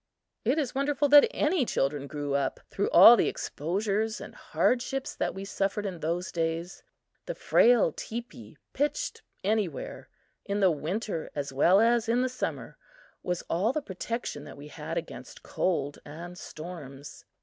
It is wonderful that any children grew up through all the exposures and hardships that we suffered in those days! The frail teepee pitched anywhere, in the winter as well as in the summer, was all the protection that we had against cold and storms.